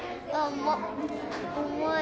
重い。